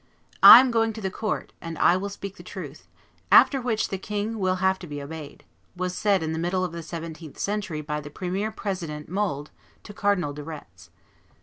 "I am going to the court, and I will speak the truth; after which the king will have to be obeyed," was said in the middle of the seventeenth century by the premier president Mold to Cardinal de Retz.